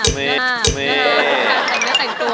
ตรงนั้นจริง